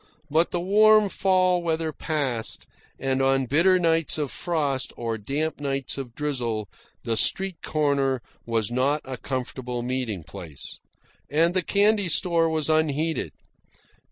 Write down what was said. But the warm fall weather passed, and on bitter nights of frost or damp nights of drizzle, the street corner was not a comfortable meeting place. And the candy store was unheated.